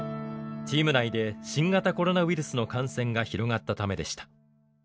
チーム内で新型コロナウイルスの感染が広がったためでした。